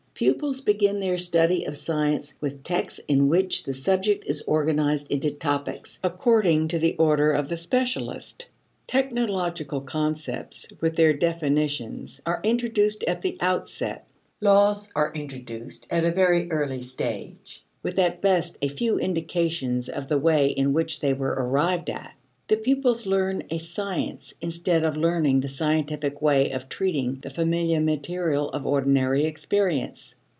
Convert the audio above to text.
Pupils begin their study of science with texts in which the subject is organized into topics according to the order of the specialist. Technical concepts, with their definitions, are introduced at the outset. Laws are introduced at a very early stage, with at best a few indications of the way in which they were arrived at. The pupils learn a "science" instead of learning the scientific way of treating the familiar material of ordinary experience.